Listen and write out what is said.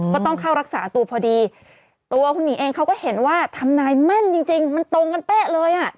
ก็ต้องเข้ารักษาตัวพอดีตัวคุณหิงเองเขาก็เห็นว่าทำนายแม่นจริงมันตรงกันเป๊ะเลยอ่ะ